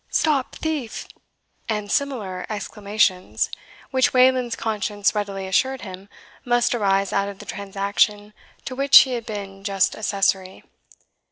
Stop thief!" and similar exclamations, which Wayland's conscience readily assured him must arise out of the transaction to which he had been just accessory.